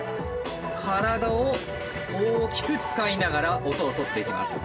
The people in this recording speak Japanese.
体を大きく使いながら音を取っていきます。